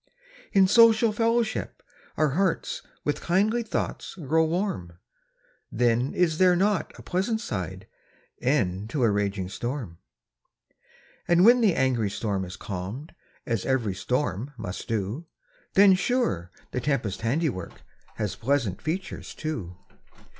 In social fellowship, our hearts With kindly thoughts grow warm; Then is there not a pleasant side, E'en to a raging storm? And when the angry storm has calm'd, As ev'ry storm must do, Then, sure, the tempest's handiwork, Has pleasant features, too.